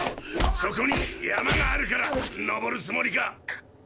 そこに山があるから登るつもりか！